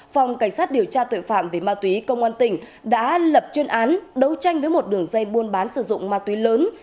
phòng cảnh sát điều tra tội phạm về ma túy công an tỉnh đã lập chuyên án đấu tranh với một đường dây buôn bán sử dụng ma túy lớn